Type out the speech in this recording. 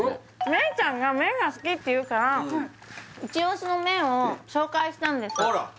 芽郁ちゃんが麺が好きっていうからイチオシの麺を紹介したんです